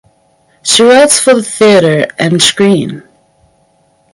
She writes for theatre and screen.